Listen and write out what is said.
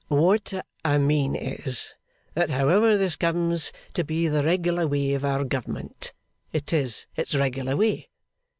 'What I mean is, that however this comes to be the regular way of our government, it is its regular way.